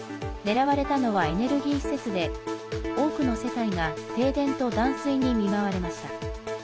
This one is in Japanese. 狙われたのはエネルギー施設で多くの世帯が停電と断水に見舞われました。